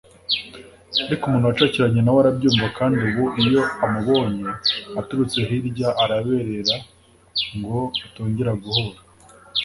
ariko umuntu wacakiranye nawe arabyumva kandi ubu iyo amubonye aturutse hirya arabebera ngo batongera guhura